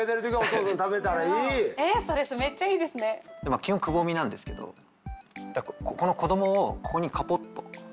まあ基本くぼみなんですけどここの子どもをここにカポッと。